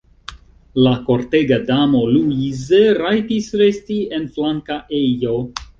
La kortega damo Luise rajtis resti en flanka ejo.